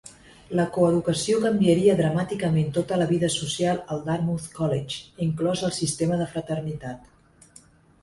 La coeducació canviaria dramàticament tota la vida social al Dartmouth College, inclòs el sistema de fraternitat.